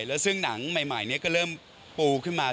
แล้วซึ่งหนังใหม่นี้ก็เริ่มปูขึ้นมา